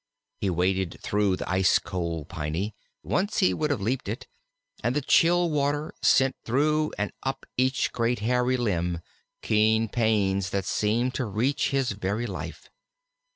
He waded through the ice cold Piney, once he would have leaped it, and the chill water sent through and up each great hairy limb keen pains that seemed to reach his very life.